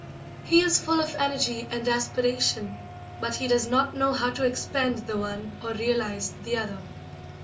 He is full of energy and aspiration, but he does not know how to expend the one or realise the other.